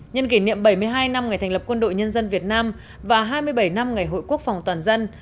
nhân kỷ niệm bảy mươi hai năm ngày thành lập quân đội nhân dân việt nam và hai mươi bảy năm ngày hội quốc phòng toàn dân